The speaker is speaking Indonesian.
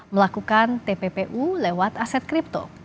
melakukan tppu lewat aset kripto